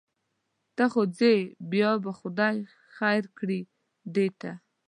ته خو ځې بیا به خدای خیر کړي دې ته.